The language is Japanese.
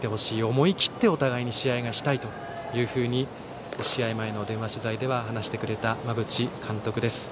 思い切ってお互いに試合がしたいと試合前の電話取材で話してくれた馬淵監督です。